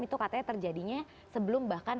itu katanya terjadinya sebelum bahkan